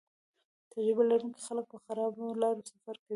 تجربه لرونکي خلک په خرابو لارو سفر کوي